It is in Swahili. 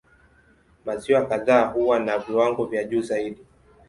Maziwa kadhaa huwa na viwango vya juu zaidi.